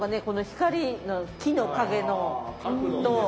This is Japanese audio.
この光の木の陰のと。